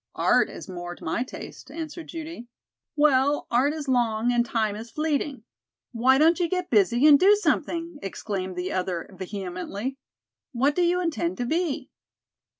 "Art is more to my taste," answered Judy. "Well, art is long and time is fleeting. Why don't you get busy and do something?" exclaimed the other vehemently. "What do you intend to be?"